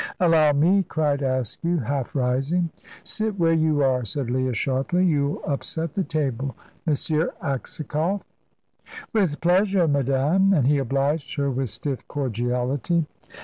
"Allow me," cried Askew, half rising. "Sit where you are," said Leah, sharply; "you'll upset the table. M. Aksakoff!" "With pleasure, madame"; and he obliged her with stiff cordiality.